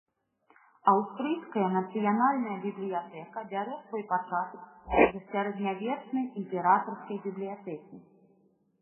Аўстрыйская нацыянальная бібліятэка бярэ свой пачатак з сярэднявечнай імператарскай бібліятэкі.